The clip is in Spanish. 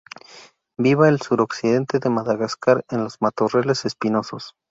Vive al suroccidente de Madagascar, en los matorrales espinosos.